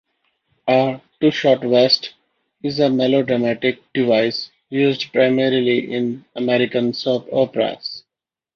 A "two shot west" is a melodramatic device used primarily in American soap operas.